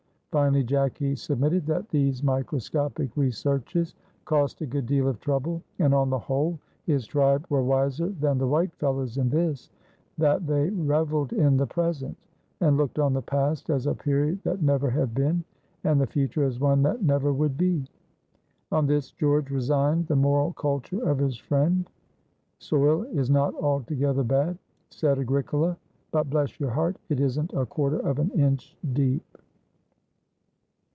Finally Jacky submitted that these microscopic researches cost a good deal of trouble, and on the whole his tribe were wiser than the white fellows in this, that they reveled in the present, and looked on the past as a period that never had been, and the future as one that never would be. On this George resigned the moral culture of his friend. "Soil is not altogether bad," said Agricola, "but, bless your heart, it isn't a quarter of an inch deep."